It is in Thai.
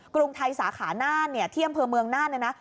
กรุงไทยสาขาหน้านเนี่ยเที่ยงอำเภอเมืองหน้านเลยนะ